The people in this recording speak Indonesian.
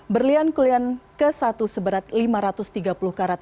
berlian kulian ke satu seberat lima ratus tiga puluh karat